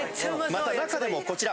また中でもこちら！